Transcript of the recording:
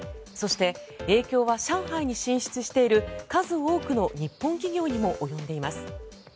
そして、影響は上海に進出している数多くの日本企業にも及んでいます。